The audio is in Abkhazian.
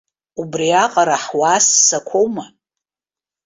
Убриаҟара ҳуаассақәоума?!